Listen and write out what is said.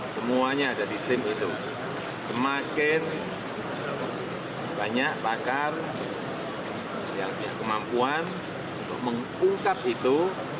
semuanya ada di tim itu semakin banyak pakar yang punya kemampuan untuk mengungkap itu